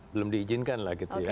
belum diizinkan lah gitu ya